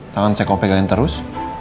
tangan saya kau pegangin terus